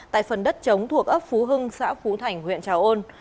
tại phần đất chống thuộc ấp phú hưng xã phú thành huyện trà ôn